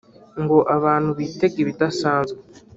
ngo abantu bitege ibidasanzwe